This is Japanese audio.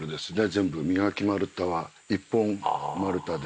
全部磨き丸太は一本丸太で。